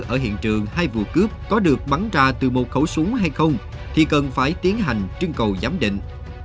ở hiện trường hai vụ cướp có được bắn ra từ một khẩu súng hay không thì cần phải tiến hành trưng cầu giám định